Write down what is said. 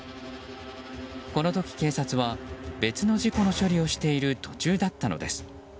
この時、警察は別の事故の処理をしている途中だったのです。